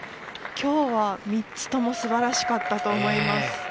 きょうは３つともすばらしかったと思います。